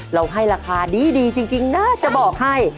เราให้ราคาดีจริงนะจะบอกให้